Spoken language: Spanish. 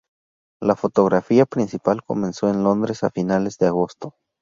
La fotografía principal comenzó en Londres a finales de agosto.